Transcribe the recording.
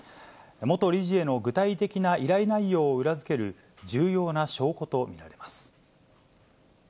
元理事への具体的な依頼内容を裏付ける、重要な証拠と見られます。